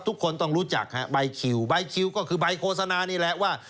ทุกคนต้องรู้จักฮะใบคิวใบคิวก็คือใบโฆษณานี่แหละว่า